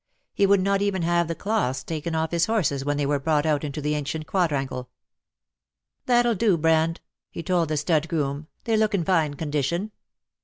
He would not even have the cloths taken off his horses when they were brought out into the ancient quadrangle. "That'll do. Brand," he told the stud groom, "they look in fine condition."